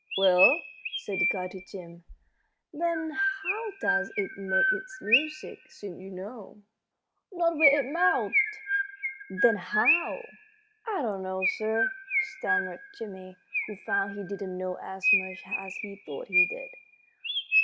"Well," said the guide to Jim, "then how does it make its music, since you know?" "Not with its mouth." "Then how?" "I don't know, sir," stammered Jimmie, who found he didn't know as much as he thought he did.